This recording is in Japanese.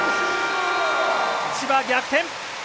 千葉、逆転！